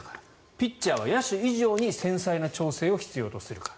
ピッチャーは野手以上に繊細な調整を必要とするから。